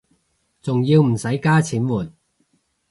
仲要唔使加錢換